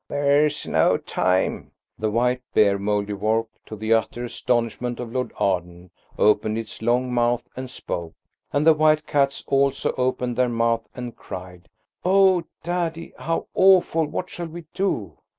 "There's no time," the white Bear Mouldiwarp, to the utter astonishment of Lord Arden, opened its long mouth and spoke. And the white cats also opened their mouths and cried, "Oh, daddy, how awful! what shall we do?"